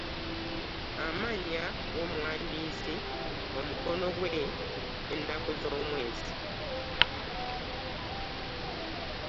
Amannya g’omuwandiisi , omukono gwe n’ennaku z’omwezi.